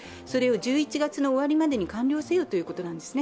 １１月の終わりまでに完了せよということなんですね。